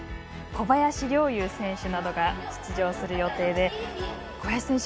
小林陵侑選手などが出場する予定です。